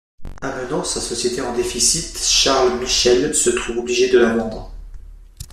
Amenant sa société en déficit, Charles Michel se trouve obligé de la vendre.